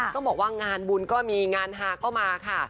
ต้องบอกว่างานบุญก็มีงานฮาก็มาค่ะ